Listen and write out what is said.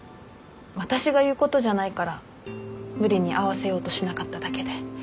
私が言うことじゃないから無理に会わせようとしなかっただけで。